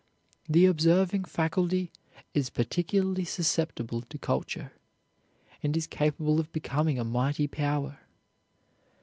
The observing faculty is particularly susceptible to culture, and is capable of becoming a mighty power.